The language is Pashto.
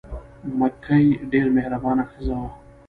مکۍ ډېره مهربانه ښځه وه.